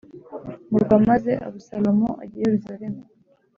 murwa. Maze Abusalomu ajya i Yerusalemu.